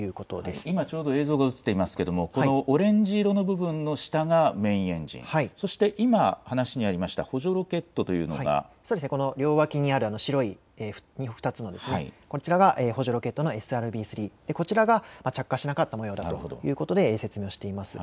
今ちょうど映像が映っていますけれどもこのオレンジの部分の下がメインエンジン、そして今、話にありました補助ロケットというのが、両脇にある白い２つのこちらが補助ロケットのＳＲＢ−３、こちらが着火しなかったもようだということで説明をしています。